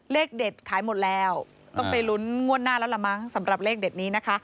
เลขเด็ดขายหมดแล้วต้องไปลุ้นงวดหน้าแล้วละมั้งสำหรับเลขเด็ดนี้นะคะ